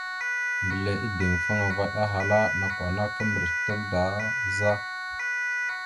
Mbile ideŋfaŋa vaɗ ahala: « Nakw ana kimbirec tal daa za? ».